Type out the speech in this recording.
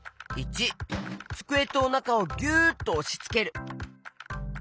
①つくえとおなかをぎゅっとおしつける。